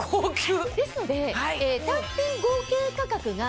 ですので。